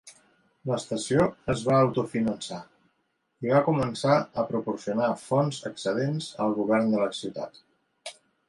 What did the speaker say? L'estació es va autofinançar i va començar a proporcionar fons excedents al govern de la ciutat.